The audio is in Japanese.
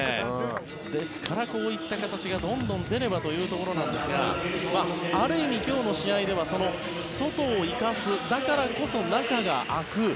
ですから、こういった形がどんどん出ればというところなんですがある意味、今日の試合では外を生かすだからこそ、中が空く。